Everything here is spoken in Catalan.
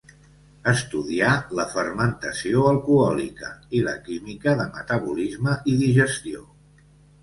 Estudià la fermentació alcohòlica i la química de metabolisme i digestió.